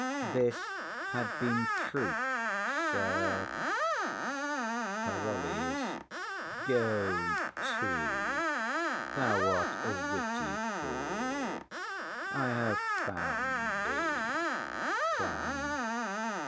This had been truth, sir. PAROLLES. Go to, thou art a witty fool; I have found thee. CLOWN.